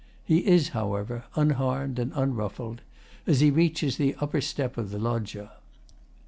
He is, however, unharmed and unruffled as he reaches the upper step of the Loggia.